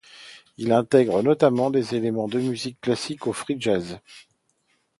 Il intègre notamment des éléments de musique classique au free jazz.